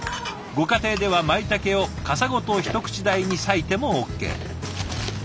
ご家庭ではまいたけをかさごと一口大にさいてもＯＫ。